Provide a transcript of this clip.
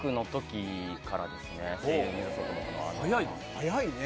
早いね。